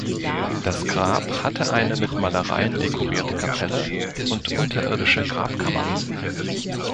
Das Grab hatte eine mit Malereien dekorierte Kapelle und unterirdische Grabkammern.